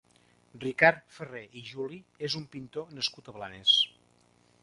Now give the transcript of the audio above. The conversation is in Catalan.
Ricard Ferrer i Juli és un pintor nascut a Blanes.